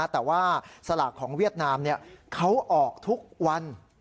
แต่ว่าสลากของเวียดนามเขาออกทุกวัน